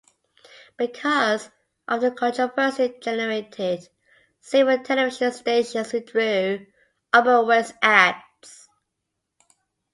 Because of the controversy generated, several television stations withdrew Oberweis's ads.